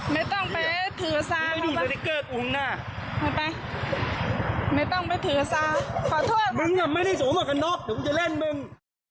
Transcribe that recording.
มึงไม่ได้สูงหมวกกันน็อคเดี๋ยวก็คงเป็นแรง